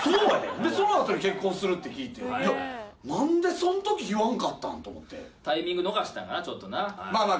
んでそのあとに結婚するって聞いて何でそのとき言わんかったん？と思ってタイミング逃したなちょっとなまあまあ